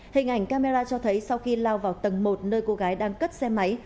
hình ảnh camera cho thấy sau khi lao vào tầng một nơi cô gái đang cất xe máy